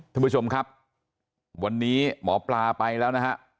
ท่านผู้ชมครับวันนี้หมอปลาไปแล้วนะฮะ